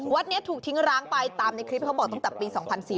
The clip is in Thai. นี้ถูกทิ้งร้างไปตามในคลิปเขาบอกตั้งแต่ปี๒๔๔